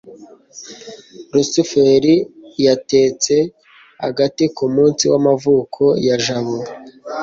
rusufero yatetse agati kumunsi w'amavuko ya jabo